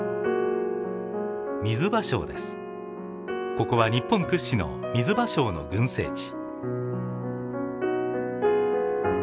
ここは日本屈指のミズバショウの群生地。